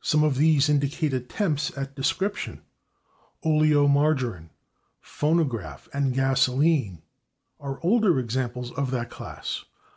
Some of these indicate attempts at description: /oleomargarine/, /phonograph/ and /gasoline/ are older examples of that class.